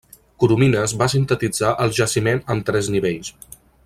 Coromines va sintetitzar el jaciment en tres nivells.